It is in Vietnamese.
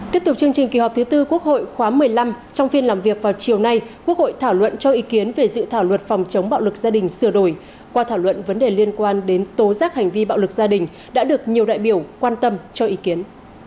tiếp tục chương trình kỳ họp thứ tư quốc hội khóa một mươi năm trong phiên làm việc vào chiều nay quốc hội thảo luận cho ý kiến về dự thảo luật phòng chống bạo lực gia đình sửa đổi qua thảo luận vấn đề liên quan đến tố giác hành vi bạo lực gia đình đã được nhiều đại biểu quan tâm cho ý kiến